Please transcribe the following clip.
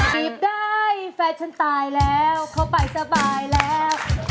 จีบได้แฟนฉันตายแล้วเขาไปสบายแล้ว